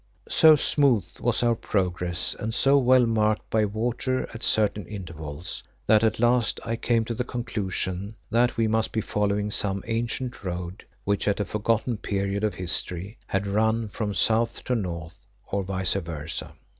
So smooth was our progress and so well marked by water at certain intervals, that at last I came to the conclusion that we must be following some ancient road which at a forgotten period of history, had run from south to north, or vice versâ.